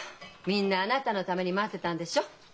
みんなあなたのために待ってたんでしょ。